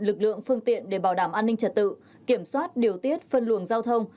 lực lượng phương tiện để bảo đảm an ninh trật tự kiểm soát điều tiết phân luồng giao thông